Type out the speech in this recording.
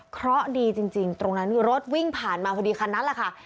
เพราะดีจริงตรงนั้นรถวิ่งผ่านมาพอดีคันนั้นแหละค่ะ